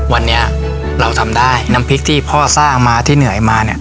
วันนี้เราทำได้น้ำพริกที่พ่อสร้างมาที่เหนื่อยมาเนี่ย